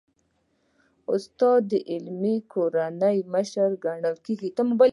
استاد د علمي کورنۍ مشر ګڼل کېږي.